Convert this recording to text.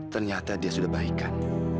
ternyata dia sudah baikan